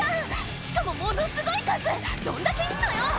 「しかもものすごい数どんだけいんのよ！」